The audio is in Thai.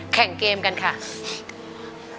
แข่งเกมกันน่ะนะคะ